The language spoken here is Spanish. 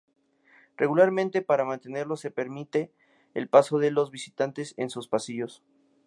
Regularmente para mantenerlo se permite el paso de los visitantes en sus pasillos.